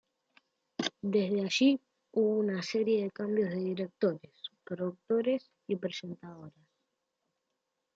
Desde allí hubo una serie de cambios de directores, productores y presentadoras.